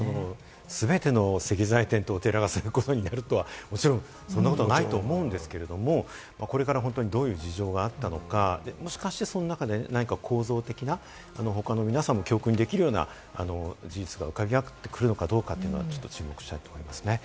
全ての石材店とお寺がそうなるかというと、そんなことはないと思うんですけれど、これから本当にどういう事情があったのか、もしかして、その中で何か構造的な他の皆さんも教訓にできるような事実が浮かび上がってくるのかどうか注目したいと思います。